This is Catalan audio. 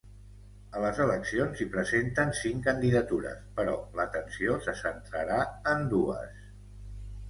A les eleccions hi presenten cinc candidatures, però l’atenció se centrarà en dues.